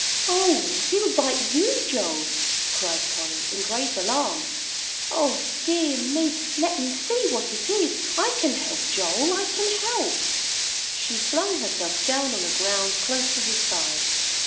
"Oh, he'll bite you, Joe," cried Polly, in great alarm. "O dear me, let me see what it is! I can help, Joel, I can help." She flung herself down on the ground close to his side.